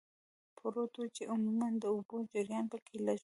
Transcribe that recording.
پروت و، چې عموماً د اوبو جریان پکې لږ و.